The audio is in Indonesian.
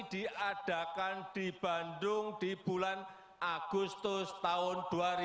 diadakan di bandung di bulan agustus tahun dua ribu dua puluh